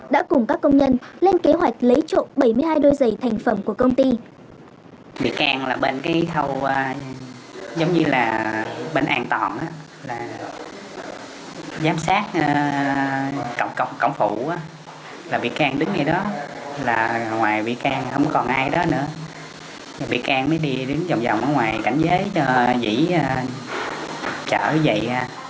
đã cùng các công nhân lên kế hoạch lấy trộm bảy mươi hai đôi giày thành phẩm của công ty